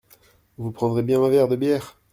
Vous prendrez bien un verre de bière.